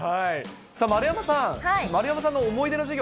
丸山さん、丸山さんの思い出